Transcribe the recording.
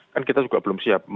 kan kita juga belum siap